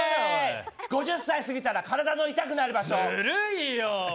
５０歳過ぎたら体の痛くなる場所。